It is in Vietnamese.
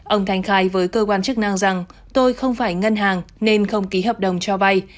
ông thanh khai với cơ quan chức năng rằng tôi không phải ngân hàng nên không ký hợp đồng cho vay